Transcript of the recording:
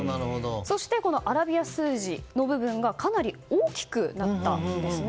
そしてアラビア数字の部分がかなり大きくなったんですね。